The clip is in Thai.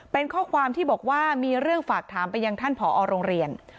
เป็นข้อความที่บอกว่ามีเรื่องฝากถามไปยังท่านผอโรงเรียน